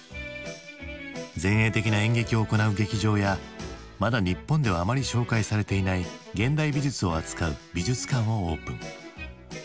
前衛的な演劇を行う劇場やまだ日本ではあまり紹介されていない現代美術を扱う美術館をオープン。